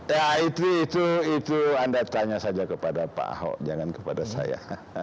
ya itu itu anda tanya saja kepada pak ahok jangan kepada saya